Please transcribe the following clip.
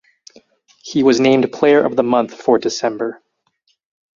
He was named Player of the Month for December.